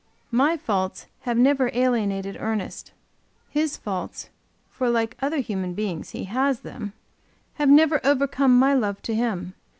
My faults have never alienated Ernest; his faults, for like other human beings he has them, have never overcome my love to him.